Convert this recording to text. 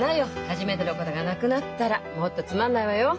初めてのことがなくなったらもっとつまんないわよ。